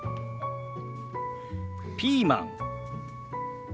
ピーマン。